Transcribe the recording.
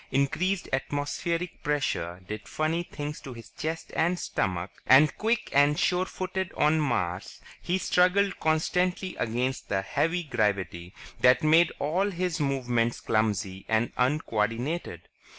Increased atmospheric pressure did funny things to his chest and stomach. And quick and sure footed on Mars, he struggled constantly against the heavy gravity that made all his movements clumsy and uncoordinated.